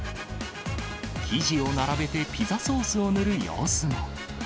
生地を並べてピザソースを塗る様子も。